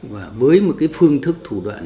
và với một cái phương thức thủ đoạn